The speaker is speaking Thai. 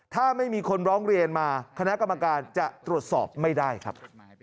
ถ้าไม่มีคนร้องเรียนมาคณะกรรมการจะตรวจสอบไม่ได้ครับ